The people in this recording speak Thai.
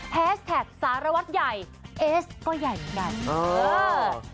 แพสแท็กสารวัฒน์ใหญ่เอสก็ใหญ่อย่างนั้น